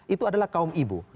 itu adalah kaum ibu